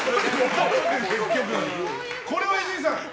これは伊集院さん。